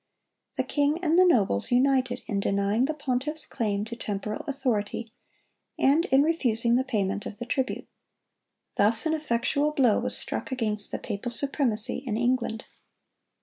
The king and the nobles united in denying the pontiff's claim to temporal authority, and in refusing the payment of the tribute. Thus an effectual blow was struck against the papal supremacy in England.